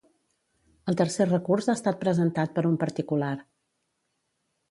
El tercer recurs ha estat presentat per un particular.